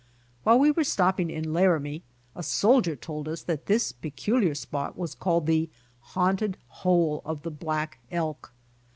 While we were stopping in Laramie, a soldier told us that this peculiar spot was called the "Haunted Hole of the Black Elk."